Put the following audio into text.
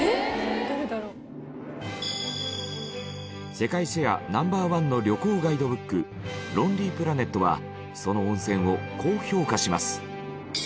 世界シェアＮｏ．１の旅行ガイドブック『ロンリープラネット』はその温泉をこう評価します。